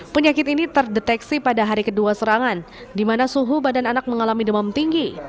penyakit ini terdeteksi pada hari kedua serangan di mana suhu badan anak mengalami demam tinggi